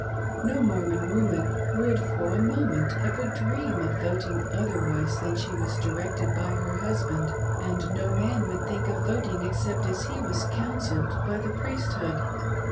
No Mormon woman would for a moment ever dream of voting otherwise than she was directed by her husband, and no man would think of voting except as he was "counselled" by the Priesthood.